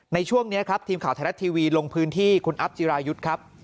ในช่วงนี้ครับทีมข่าวไทยรัฐทีวีลงพื้นที่คุณอัพจิรายุทธ์ครับ